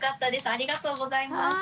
ありがとうございます。